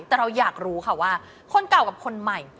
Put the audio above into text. แต่เราอยากรู้ค่ะว่าคนเก่ากับคนใหม่